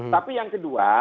tapi yang kedua